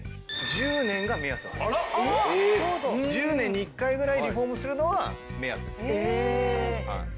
１０年に一回ぐらいリフォームするのが目安です。